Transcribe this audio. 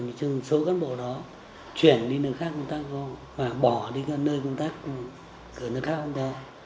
nhưng số cán bộ đó chuyển đi nơi khác công tác và bỏ đi nơi công tác ở nơi khác công tác